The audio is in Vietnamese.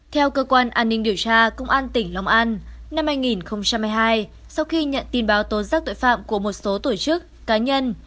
theo cơ quan an ninh điều tra công an tỉnh long an năm hai nghìn hai mươi hai sau khi nhận tin báo tố giác tội phạm của một số tổ chức cá nhân